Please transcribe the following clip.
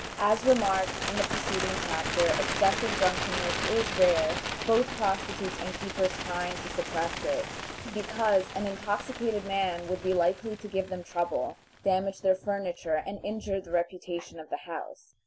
As remarked in the preceding chapter, excessive drunkenness is rare, both prostitutes and keepers trying to suppress it, because an intoxicated man would be likely to give them trouble, damage their furniture, and injure the reputation of the house.